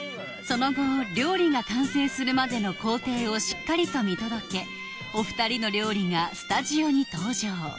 その後料理が完成するまでの工程をしっかりと見届けお二人の料理がスタジオに登場